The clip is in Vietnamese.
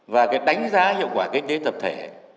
và cái đánh giá hiệu quả kinh tế tập thể